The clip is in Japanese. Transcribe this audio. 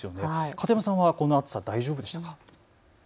片山さんはこの暑さ大丈夫でしょうか。